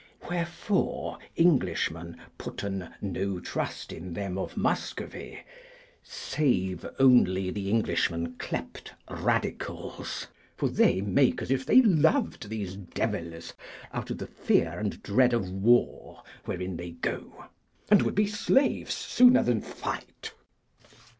Wherefore Englishmen putten no trust in them of Muscovy, save only the Englishmen ciept Radicals, for they make as if they loved these Develes, out of the fear and dread of war wherein they go, and would be slaves sooner than fight.